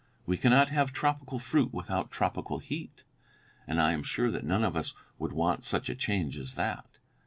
We cannot have tropical fruit without tropical heat, and I am sure that none of us would want such a change as that.